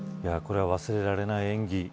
これは忘れられない演技。